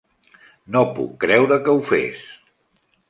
No puc creure que ho fes!